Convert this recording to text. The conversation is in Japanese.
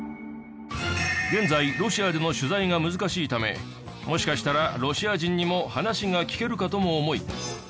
現在ロシアでの取材が難しいためもしかしたらロシア人にも話が聞けるかとも思い